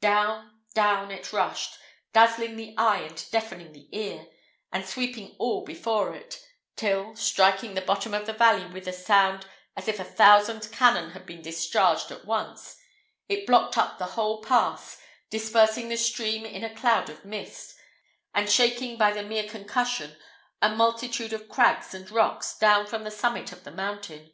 Down, down it rushed, dazzling the eye and deafening the ear, and sweeping all before it, till, striking the bottom of the valley with a sound as if a thousand cannon had been discharged at once, it blocked up the whole pass, dispersing the stream in a cloud of mist, and shaking by the mere concussion a multitude of crags and rocks down from the summit of the mountain.